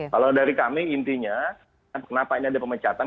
kalau dari kami intinya kenapa ini ada pemecatan